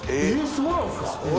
そうなんすか？